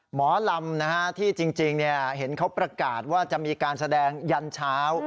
หมอลำที่จริงเห็นเขาประกาศว่าจะมีการแสดงยันเช้า